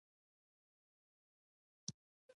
نجلۍ د خیر نیت لري.